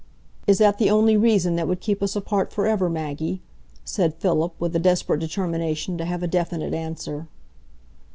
"Is that the only reason that would keep us apart forever, Maggie?" said Philip, with a desperate determination to have a definite answer.